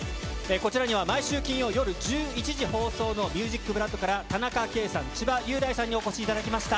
こちらには毎週金曜夜１１時放送のＭＵＳＩＣＢＬＯＯＤから田中圭さん、千葉雄大さんにお越しいただきました。